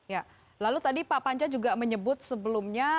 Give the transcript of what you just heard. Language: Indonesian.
ya lalu tadi pak panca juga menyebut sebelumnya